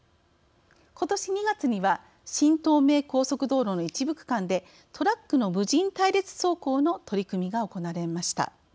ことし２月には新東名高速道路の一部区間でトラックの無人隊列走行の取り組みが行われました。